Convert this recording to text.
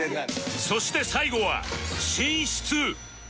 そして最後は寝室